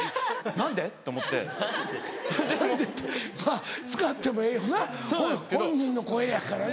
「何で？」って使ってもええよな本人の声やからな。